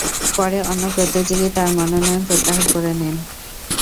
পরে অন্য প্রতিযোগী তার মনোনয়ন প্রত্যাহার করে নেন।